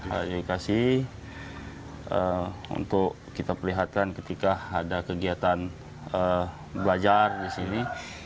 saya dikasih untuk kita perlihatkan ketika ada kegiatan belajar di sini